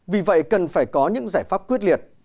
vì vậy cần phải có những giải pháp quyết liệt